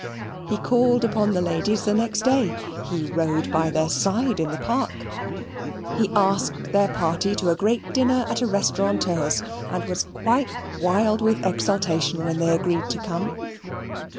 He called upon the ladies the next day; he rode by their side in the Park; he asked their party to a great dinner at a restaurateur's, and was quite wild with exultation when they agreed to come.